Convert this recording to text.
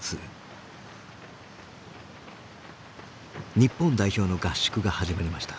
日本代表の合宿が始まりました。